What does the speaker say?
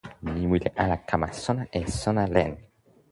mi wile ala kama sona e sona len.